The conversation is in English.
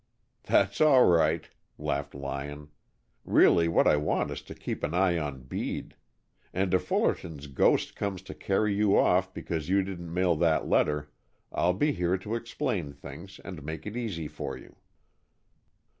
"That's all right," laughed Lyon. "Really, what I want is to keep an eye on Bede. And if Fullerton's ghost comes to carry you off because you didn't mail that letter, I'll be here to explain things and make it easy for you."